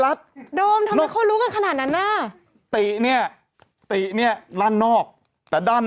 รักทุกคนโดมรักทุกคน